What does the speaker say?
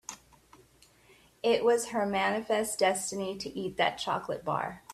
It was her manifest destiny to eat that chocolate bar.